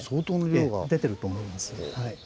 ええ出てると思います。